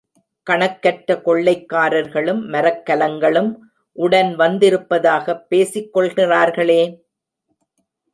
கணக்கற்ற கொள்ளைக்காரர்களும், மரக்கலங்களும் உடன் வந்திருப்பதாகப் பேசிக் கொள்கிறார்களே?